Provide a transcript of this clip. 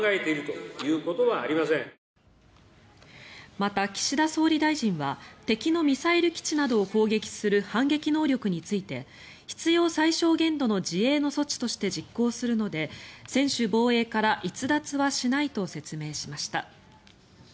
また、岸田総理大臣は敵のミサイル基地などを攻撃する反撃能力について必要最小限度の自衛の措置として実行するので専守防衛から逸脱はしないと説明しました。